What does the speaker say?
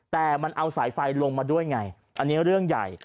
แต่มันเอาสายไฟลงมาด้วยไงอันนี้เรื่องใหญ่